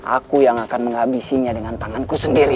aku yang akan menghabisinya dengan tanganku sendiri